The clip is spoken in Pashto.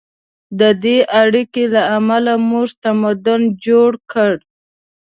د دې اړیکې له امله موږ تمدن جوړ کړ.